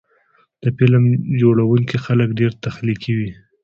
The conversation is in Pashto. د فلم جوړوونکي خلک ډېر تخلیقي وي.